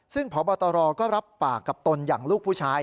ซึ่งพบตรก็รับปากกับตนอย่างลูกผู้ชาย